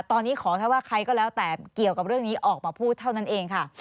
ตอนนี้ขอแค่ว่าใครก็แล้วแต่เกี่ยวกับเรื่องนี้ออกมาพูดเท่านั้นเองค่ะ